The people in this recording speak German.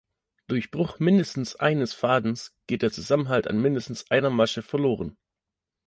Durch Bruch mindestens eines Fadens geht der Zusammenhalt an mindestens einer Masche verloren.